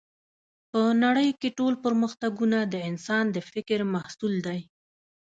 په نړۍ کې ټول پرمختګونه د انسان د فکر محصول دی